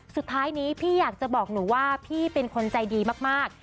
สุดท้ายนี้พี่อยากจะบอกหนูว่าพี่เป็นคนใจดีมาก